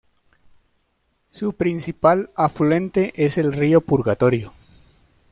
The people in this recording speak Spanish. Su principal afluente es el río Purgatorio.